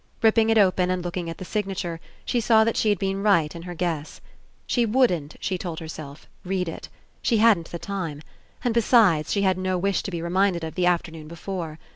Ripping it open and looking at the signa ture, she saw that she had been right in her guess. She wouldn't, she told herself, read it. She hadn't the time. And, besides, she had no wish to be reminded of the afternoon before.